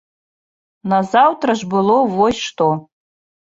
Назаўтра ж было вось што.